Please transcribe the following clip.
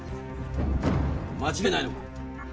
間違いないのか？